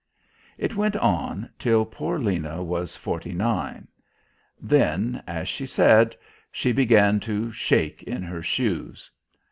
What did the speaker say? It went on till poor Lena was forty nine. Then, as she said, she began to "shake in her shoes."